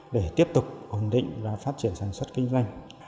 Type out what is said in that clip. để tiếp tục ổn định và phát triển sản xuất kinh doanh